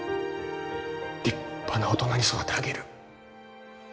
立派な大人に育て上げる